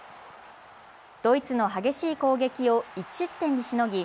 ドイツの激しい攻撃を１失点にしのぎ